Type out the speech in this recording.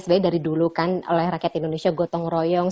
sebenarnya dari dulu kan oleh rakyat indonesia gotong royong